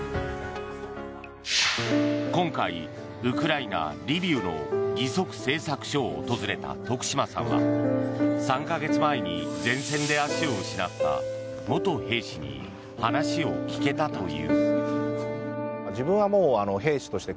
今回、ウクライナ・リビウの義足製作所を訪れた徳島さんは３か月前に前線で足を失った元兵士に話を聞けたという。